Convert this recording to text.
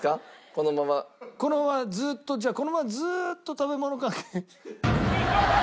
このままずっとじゃあこのままずっと食べ物関係。